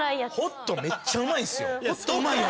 ホットめっちゃうまいんすよ。